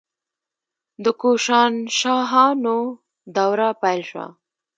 د کوشانشاهانو دوره پیل شوه